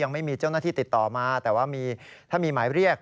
ไม่มีเจ้าหน้าที่ติดต่อมาแต่ว่าถ้ามีหมายเรียก